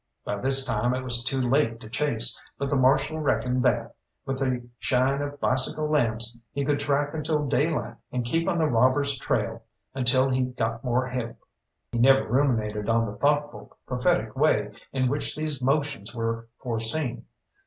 By this time it was too late to chase, but the Marshal reckoned that, with a shine of bicycle lamps, he could track until daylight, and keep on the robbers' trail until he got more help. He never ruminated on the thoughtful, prophetic way in which these motions were foreseen.